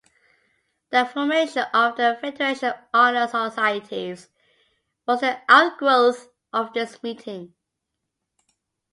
The formation of "The Federation of Honor Societies" was the outgrowth of this meeting.